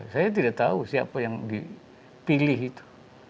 saya tidak tahu siapa yang dipilih itu